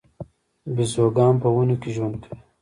بیزوګان په ونو کې ژوند کوي